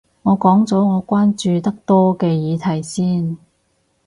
我講咗我關注得多嘅議題先